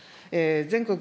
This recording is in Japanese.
全国